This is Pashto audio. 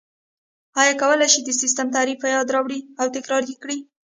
ایا کولای شئ د سیسټم تعریف په یاد راوړئ او تکرار یې کړئ؟